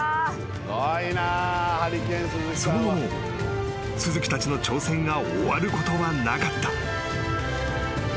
［その後も鈴木たちの挑戦が終わることはなかった］